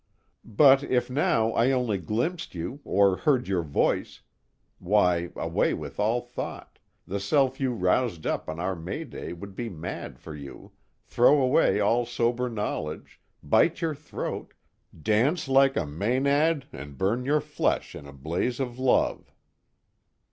But if now I only glimpsed you or heard your voice why, away with all thought, the self you roused up on our May day would be mad for you, throw away all sober knowledge, bite your throat, dance like a maynad and burn your flesh in a blaze of love."